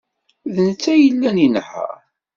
D netta ay yellan inehheṛ.